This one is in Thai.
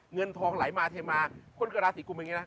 เงินทองไหลมาเทมาคนเกิดราศีกุมอย่างนี้นะ